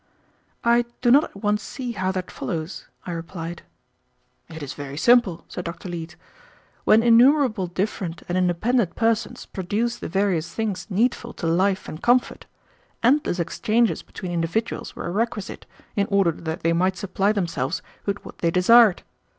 "I do not at once see how that follows," I replied. "It is very simple," said Dr. Leete. "When innumerable different and independent persons produced the various things needful to life and comfort, endless exchanges between individuals were requisite in order that they might supply themselves with what they desired.